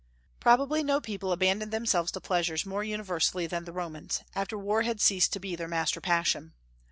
Probably no people abandoned themselves to pleasures more universally than the Romans, after war had ceased to be their master passion.